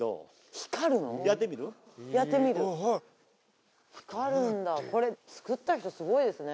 光るんだこれ作った人すごいですね。